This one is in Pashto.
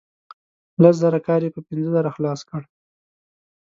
لس زره کار یې په پنځه زره خلاص کړ.